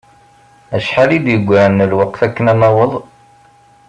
Acḥal i d-yegran n lweqt akken ad naweḍ?